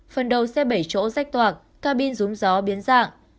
phần đầu xe bảy chỗ rách toạc cao pin dúng gió biến dạng